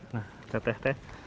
nah kak teh teh